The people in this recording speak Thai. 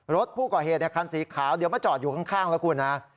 รถผู้ก่อเหตุคันสีขาวเดี๋ยวมาจอดอยู่ข้างแล้วคุณนะ